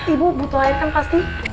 ibu butuh air kan pasti